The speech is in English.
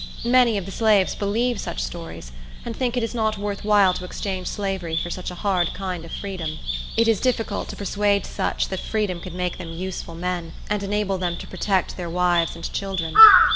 Many of the slaves believe such stories, and think it is not worth while to exchange slavery for such a hard kind of freedom. It is difficult to persuade such that freedom could make them useful men, and enable them to protect their wives and children.